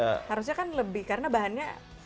harusnya kan lebih karena bahannya